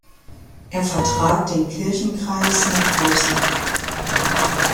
Er vertrat den Kirchenkreis nach außen.